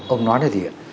ông nói là gì ạ